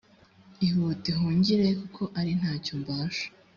ihute uhungireyo kuko ari nta cyo mbasha